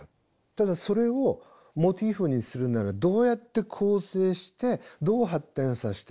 ただそれをモチーフにするならどうやって構成してどう発展させて作っていくか。